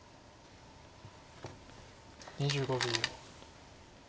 ２５秒。